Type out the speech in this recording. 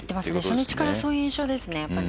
初日からそういう印象ですね。